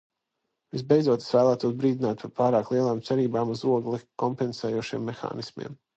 Visbeidzot es vēlētos brīdināt par pārāk lielām cerībām uz oglekli kompensējošajiem mehānismiem.